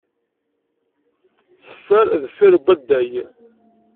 Teffer deffir n waddag.